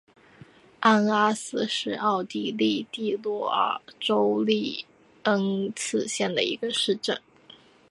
安拉斯是奥地利蒂罗尔州利恩茨县的一个市镇。